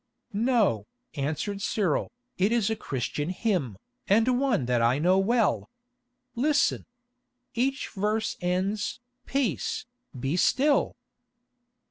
"No," answered Cyril, "it is a Christian hymn, and one that I know well. Listen. Each verse ends, 'Peace, be still!